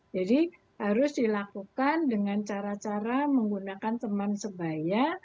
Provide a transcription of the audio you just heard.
jadi harus dilakukan dengan cara cara menggunakan teman sebaya